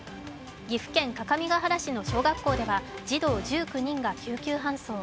岐阜県各務原市の小学校では児童１９人が救急搬送。